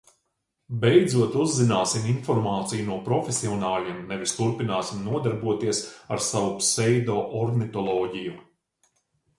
Beidzot uzzināsim informāciju no profesionāļiem, nevis turpināsim nodarboties ar savu pseido ornitoloģiju.